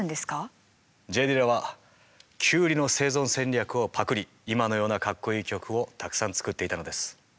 Ｊ・ディラはキュウリの生存戦略をパクり今のようなかっこいい曲をたくさん作っていたのです。